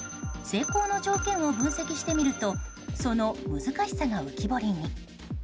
成功の条件を分析してみるとその難しさが浮き彫りに。